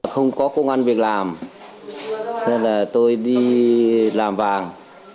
không có công an việc làm cho nên là tôi đi làm vàng